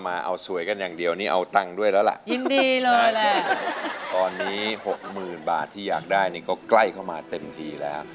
มาเอาสวยกันอย่างเดียวนี่เอาตังค์ด้วยแล้วล่ะยินดีเลยตอนนี้หกหมื่นบาทที่อยากได้นี่ก็ใกล้เข้ามาเต็มทีแล้ว